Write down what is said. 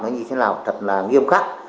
nó như thế nào thật là nghiêm khắc